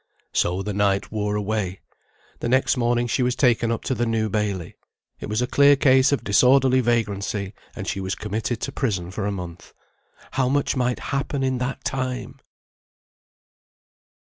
So the night wore away. The next morning she was taken up to the New Bailey. It was a clear case of disorderly vagrancy, and she was committed to prison for a month. How much might happen in that time!